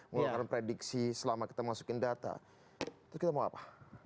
mengeluarkan prediksi selama kita masukin data itu kita mau apa